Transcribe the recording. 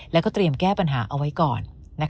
แล้วก็เตรียมแก้ปัญหาเอาไว้ก่อน